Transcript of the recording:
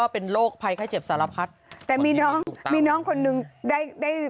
เป็นโรคภัยไข้เจ็บสารพัดแต่มีน้องมีน้องคนนึงได้ได้